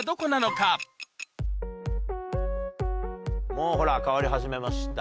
もうほら変わり始めました